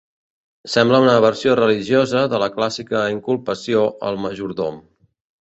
Sembla una versió religiosa de la clàssica inculpació al majordom.